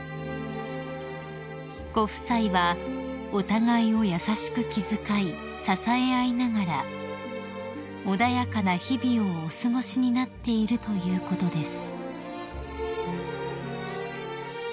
［ご夫妻はお互いを優しく気遣い支え合いながら穏やかな日々をお過ごしになっているということです］